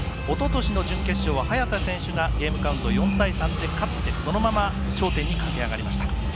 おととしの準決勝は早田選手がゲームカウント４対３で勝ってそのまま頂点に駆け上がりました。